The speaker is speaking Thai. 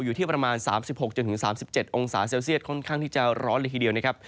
อยู่ที่ประมาณ๓๖๓๗องศาเซลเซียตค่อนข้างที่จะร้อนเลยทีเดียวนะครับ